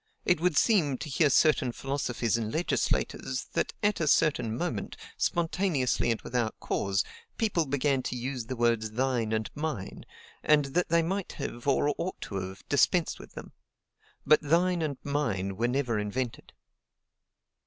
It would seem, to hear certain philosophers and legislators, that at a certain moment, spontaneously and without cause, people began to use the words THINE and MINE; and that they might have, or ought to have, dispensed with them. But THINE and MINE were never invented."